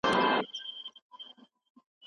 مځکني جنتي ژوند څښتنان شي